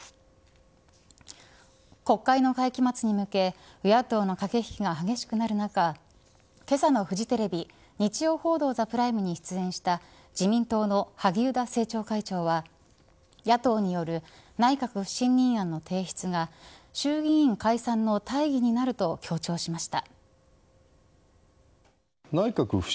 国会の会期末に向け与野党の駆け引きが激しくなる中けさのフジテレビ日曜報道ＴＨＥＰＲＩＭＥに出演した自民党の萩生田政調会長は野党による内閣不信任案の提出が衆議院解散の大義になると強調しました。